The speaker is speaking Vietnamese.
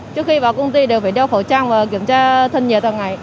trước khi vào công ty đều phải đeo khẩu trang và kiểm tra thân nhiệt hàng ngày